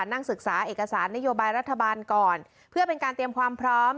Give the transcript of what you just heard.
นั่งศึกษาเอกสารนโยบายรัฐบาลก่อนเพื่อเป็นการเตรียมความพร้อม